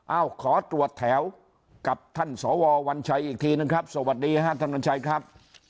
เอ้าขอตรวจแถวกับท่านสววัญชัยอีกทีหนึ่งครับสวัสดีฮะท่านวัญชัยครับ